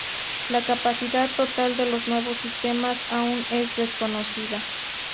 La capacidad total de los nuevos sistemas aún es desconocida.